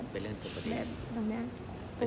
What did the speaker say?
ไม่ตื่นต้องตื่นตากลัวอาเมีย